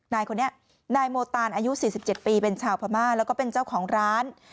นายคนนี้นายโมตานอายุ๔๗ปีเป็นชาวพม่าแล้วก็เป็นเจ้าของร้าน